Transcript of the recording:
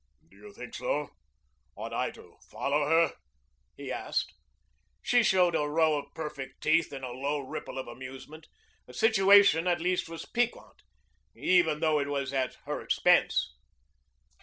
"Do you think so? Ought I to follow her?" he asked. She showed a row of perfect teeth in a low ripple of amusement. The situation at least was piquant, even though it was at her expense.